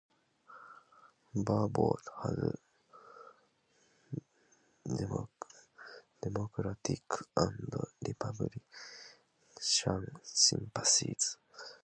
Barbour had democratic and republican sympathies.